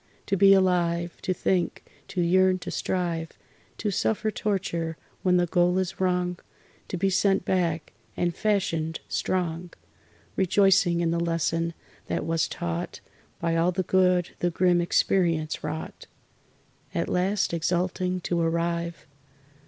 To be alive, To think, to yearn, to strive, To suffer torture when the goal is wrong, To be sent back and fashioned strong Rejoicing in the lesson that was taught By all the good the grim experience wrought; At last, exulting, to arrive....